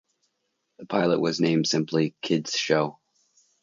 The pilot was named simply "Kids Show".